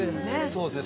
そうですね。